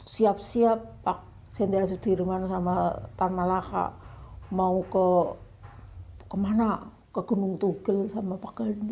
siap siap pak jenderal sudirman sama dantan malaka mau ke gunung tugil sama pak gandhi